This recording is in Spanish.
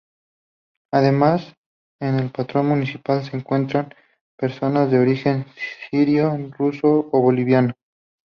Además en el padrón municipal se encuentran personas de origen sirio, ruso o boliviano.